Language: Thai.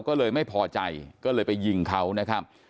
ก็เลยไม่พอใจก็เลยไปยิงเขานะครับ